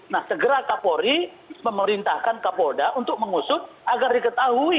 nah segera kapolri memerintahkan kapolda untuk mengusut agar diketahui